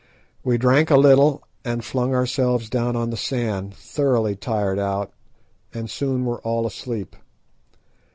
We drank a little and flung ourselves down on the sand, thoroughly tired out, and soon were all asleep.